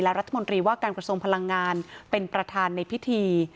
รัฐมนตรีว่าการกระทรวงพลังงานเป็นประธานในพิธี